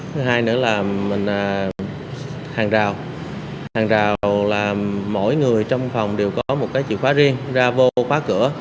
thứ hai nữa là hàn rào hàn rào là mỗi người trong phòng đều có một chìa khóa riêng ra vô khóa cửa